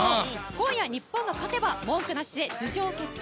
今夜日本が勝てば文句なし出場決定。